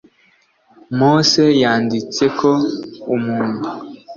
mose yanditse ko umuntu